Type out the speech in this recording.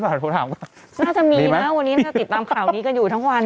ก็ดีนะวันนี้ติดตามข่านี้ก็อยู่ทั้งวัน